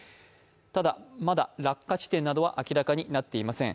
ただ、まだ落下地点などは明らかになっていません。